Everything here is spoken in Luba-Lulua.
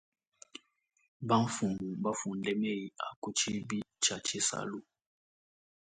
Bamfumu mbafunde meyi a ku tshibi tshia tshisalu.